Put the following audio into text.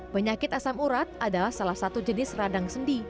penyakit asam urat adalah salah satu jenis radang sendi